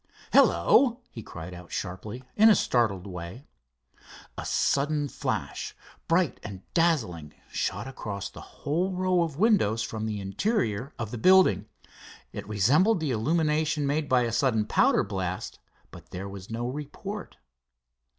"Hello!" he cried out sharply, in a startled way. A sudden flash, bright and dazzling, shot across the whole row of windows from the interior of the building. It resembled the illumination made by a sudden powder blast, but there was no report.